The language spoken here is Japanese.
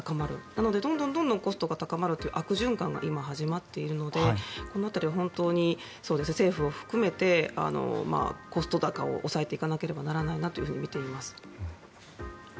なのでどんどんコストが高まるという悪循環が今、始まっているのでこの辺りは本当に政府を含めてコスト高を抑えていかなければならないなとみています。